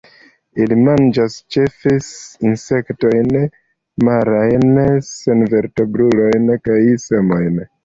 Ili manĝas ĉefe insektojn, marajn senvertebrulojn kaj semojn.